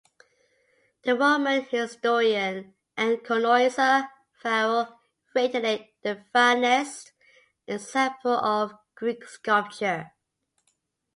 The Roman historian and connoisseur Varro rated it the finest example of Greek sculpture.